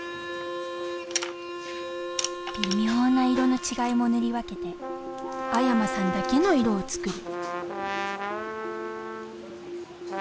微妙な色の違いも塗り分けて阿山さんだけの色を作る。